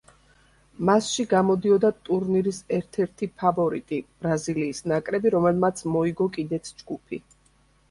მასში გამოდიოდა ტურნირის ერთ-ერთი ფავორიტი ბრაზილიის ნაკრები, რომელმაც მოიგო კიდეც ჯგუფი.